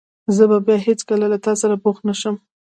زه به بیا هېڅکله له تاسره بوخت نه شم.